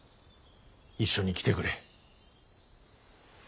一緒に来てくれ。